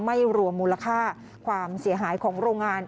ไม่รวมมูลค่าความเสียหายของโรงงาน